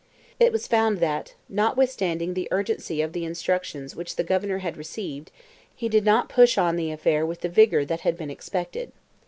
It was found that, notwithstanding the urgency of the instructions which the Governor had received, he did not push on the affair with the vigour that had been expected.